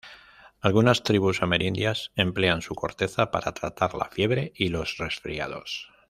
Algunas tribus amerindias emplean su corteza para tratar la fiebre y los resfriados.